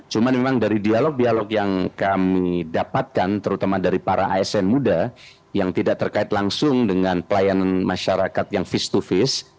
cuma memang dari dialog dialog yang kami dapatkan terutama dari para asn muda yang tidak terkait langsung dengan pelayanan masyarakat yang face to face